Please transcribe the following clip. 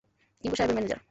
কিঙ্গো সাহবের ম্যানেজার।